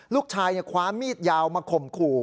ลูกชายคว้ามีดยาวมาข่มขู่